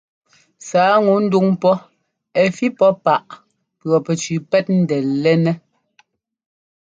Sǎa ŋu ndúŋ pɔ́ ɛ́ fí pɔ́ páꞌ pʉɔpɛcʉʉ pɛ́t ńdɛ́lɛ́nɛ́.